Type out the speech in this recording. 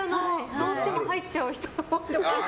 どうしても入っちゃう人が。